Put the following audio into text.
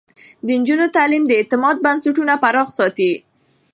د نجونو تعليم د اعتماد بنسټونه پراخ ساتي.